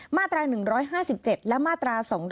มาตรา๑๕๗และมาตรา๒๗